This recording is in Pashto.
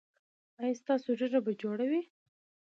ایا ستاسو ږیره به جوړه وي؟